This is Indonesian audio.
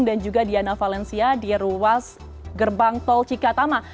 dan juga diana valencia di ruas gerbang tol cikatama